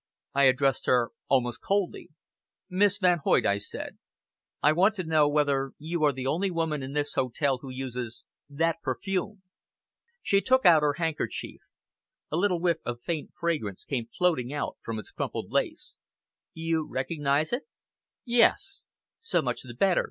I addressed her almost coldly. "Miss Van Hoyt," I said, "I want to know whether you are the only woman in this hotel who uses that perfume." She took out her handkerchief. A little whiff of faint fragrance came floating out from its crumpled lace. "You recognize it?" "Yes!" "So much the better!"